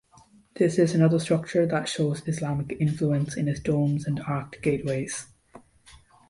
This is another structure that shows Islamic influence in its domes and arched gateways.